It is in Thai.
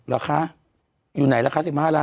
ราคาอยู่ไหนราคา๑๕๐๐๐๐๐๐